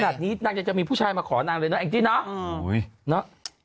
ทัดนี้น้าจะมีผู้ชายมาขอนางเลยเนอะจริงเนอะ